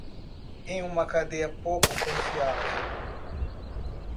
É uma cadeia pouco confiável